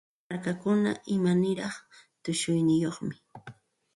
Llapa markakuna imaniraq tushuyniyuqmi.